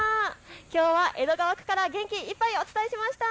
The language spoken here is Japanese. きょうは江戸川区から元気いっぱいお伝えしました。